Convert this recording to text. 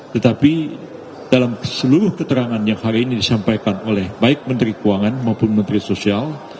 tetapi dalam seluruh keterangan yang hari ini disampaikan oleh baik menteri keuangan maupun menteri sosial